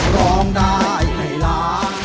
ร้องได้ให้ล้าน